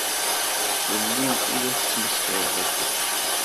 Fell-i i la tettmesxiṛeḍ akka?